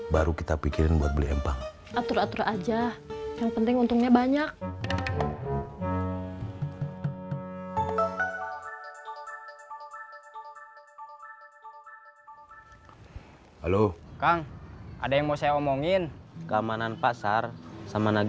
baru kita pikirin buat beli empang